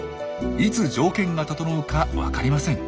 いつ条件が整うか分かりません。